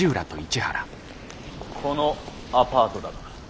このアパートだな。